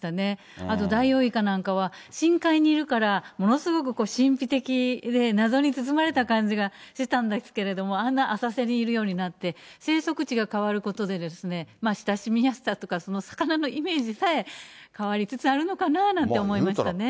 あとダイオウイカなんかは、深海にいるから、ものすごく神秘的で謎に包まれた感じがしてたんですけれども、あんな浅瀬にいるようになって、生息地が変わることで、親しみやすさとか、その魚のイメージさえ変わりつつあるのかななんて思いましたね。